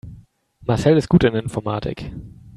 Marcel ist gut in Informatik.